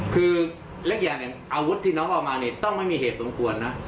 คือเล็กอย่างหนึ่งอาวุธที่น้องเอามาเนี่ยต้องไม่มีเหตุสมควรนะ